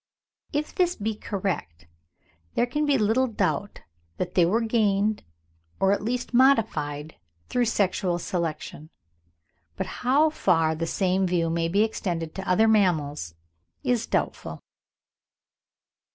If this be correct, there can be little doubt that they were gained or at least modified through sexual selection; but how far the same view may be extended to other mammals is doubtful.